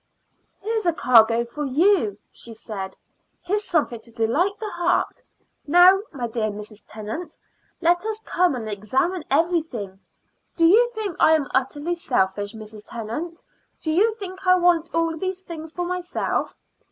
"Here's a cargo for you," she said. "Here's something to delight the heart. Now, my dear Mrs. Tennant, let us come and examine everything. Do you think I am utterly selfish, Mrs. Tennant? Do you think I want all these things for myself?"